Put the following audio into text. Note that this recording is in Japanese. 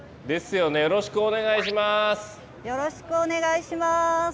よろしくお願いします！